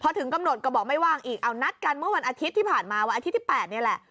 พอถึงกำหนดก็บอกไม่ว่างอีกเอานัดกันเมื่อวันอาทิตย์ที่ผ่านมาวันอาทิตย์ที่๘นี่แหละ